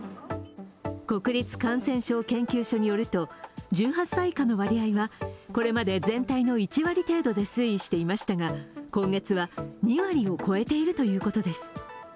国立感染症研究所によると、１８歳以下の割合がこれまで全体の１割程度で推移していましたが今月は２割を超えているということです。